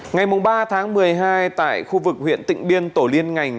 ngày ba tháng một mươi hai tại khu vực huyện tỉnh biên tổ liên ngành